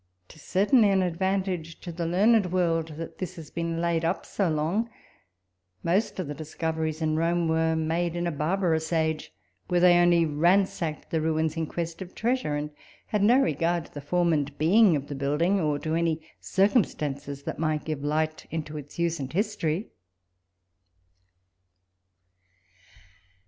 'Tis certainly an advantage to the learned world, that this has been laid up so long. Most of the discoveries in Rome were made in a barbarous age, where they only ransacked the ruins in ques t of treasure, and had no regard to the form 24 walpole's letters and being of the building ; or to any circum stances that might give light into its use and history.